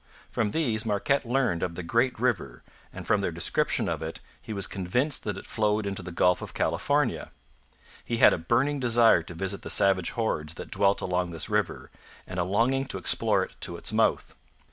From these Marquette learned of the great river, and from their description of it he was convinced that it flowed into the Gulf of California. He had a burning desire to visit the savage hordes that dwelt along this river, and a longing to explore it to its mouth.